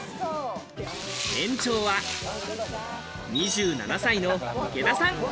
店長は２７歳の池田さん。